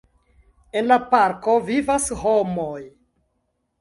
En la parko vivas homoj.